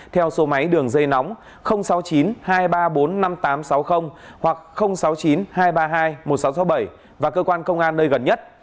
theo số máy đường dây nóng sáu mươi chín hai trăm ba mươi bốn năm nghìn tám trăm sáu mươi hoặc sáu mươi chín hai trăm ba mươi hai một nghìn sáu trăm sáu mươi bảy và cơ quan công an nơi gần nhất